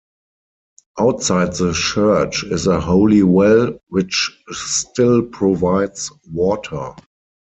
Outside the church is a holy well which still provides water.